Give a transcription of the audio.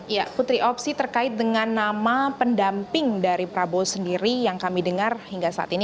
ya putri opsi terkait dengan nama pendamping dari prabowo sendiri yang kami dengar hingga saat ini